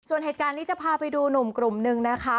ส่วนเหตุการณ์นี้จะพาไปดูหนุ่มกลุ่มนึงนะคะ